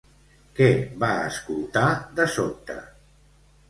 Què va escoltar de sobte?